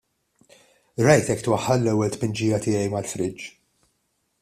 Rajtek twaħħal l-ewwel tpinġija tiegħi mal-friġġ.